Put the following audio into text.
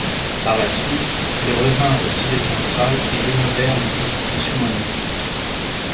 Par la suite, ils revinrent au Tibet central et rénovèrent les institutions monastiques.